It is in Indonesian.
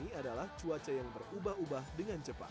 ini adalah cuaca yang berubah ubah dengan cepat